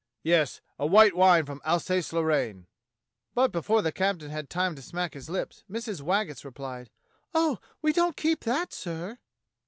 Yes, a white wine from Alsace Lorraine." But before the captain had time to smack his lips Mrs. Waggetts replied: "Oh, we don't keep that, sir."